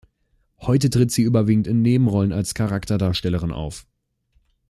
Heute tritt sie überwiegend in Nebenrollen als Charakterdarstellerin auf.